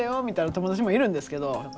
みたいな友達もいるんですけど。